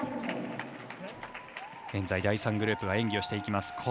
現在、第３グループが演技をしていきます。